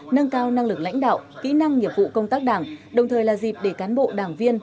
nâng cao năng lực lãnh đạo kỹ năng nghiệp vụ công tác đảng đồng thời là dịp để cán bộ đảng viên